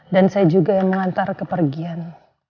dan saya juga yang mengantar kepergian